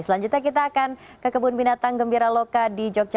selanjutnya kita akan ke kebun binatang gembira loka di jogja